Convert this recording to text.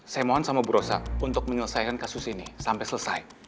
saya mohon sama bu rosa untuk menyelesaikan kasus ini sampai selesai